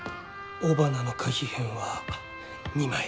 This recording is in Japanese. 雄花の花被片は２枚。